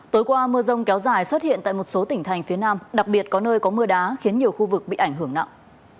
tối qua mưa rông kéo dài xuất hiện tại một số tỉnh thành phía nam đặc biệt có nơi có mưa đá khiến nhiều khu vực bị ảnh hưởng nặng